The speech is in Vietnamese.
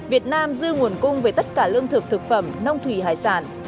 việt nam dư nguồn cung về tất cả lương thực thực phẩm nông thủy hải sản